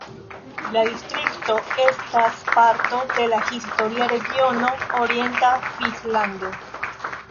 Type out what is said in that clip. La distrikto estas parto de la historia regiono Orienta Frislando.